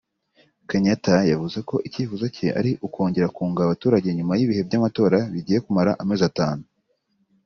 Kenyatta yavuze ko icyifuzo cye ari ukongera kunga abaturage nyuma y’ibihe by’amatora bigiye kumara amezi atanu